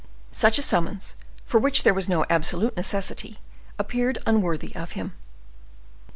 Such a summons, for which there was no absolute necessity, appeared unworthy of him.